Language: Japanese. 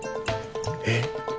えっ？